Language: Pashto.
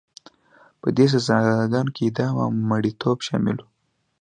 په دې سزاګانو کې اعدام او مریتوب شامل وو.